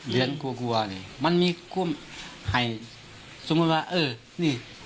เรียนกลัวนี่มันมีความสมมุติว่าเออนี่